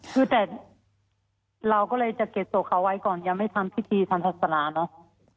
คือแต่เราก็เลยจะเก็บศพเขาไว้ก่อนยังไม่ทำพิธีทางศาสนาเนอะ